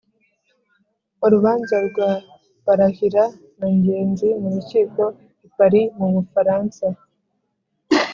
Urubanza rwa Barahira na Ngenzi m'urukiko i Paris m'Ubufaransa.